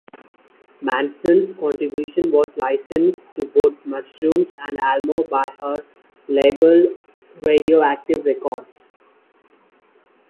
Manson's contribution was licensed to both Mushroom and Almo by her label Radioactive Records.